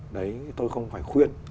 đấy tôi không phải khuyên